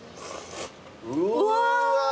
うわ！